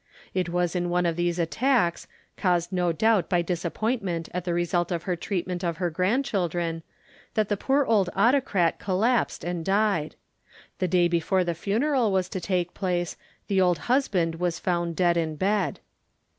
It was in one of these attacks, caused no doubt by disappointment at the result of her treatment of her grandchildren, that the poor old autocrat collapsed and died. The day before the funeral was to take place the old husband was found dead in bed.